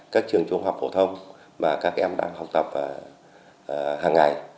các trường trung học phổ thông mà các em đang học tập hàng ngày